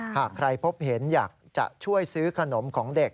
หากใครพบเห็นอยากจะช่วยซื้อขนมของเด็ก